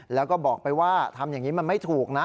แล้วก็บอกไปว่าทำอย่างนี้มันไม่ถูกนะ